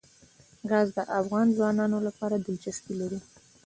ګاز د افغان ځوانانو لپاره دلچسپي لري.